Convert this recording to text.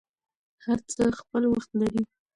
هر څه خپل وخت لري.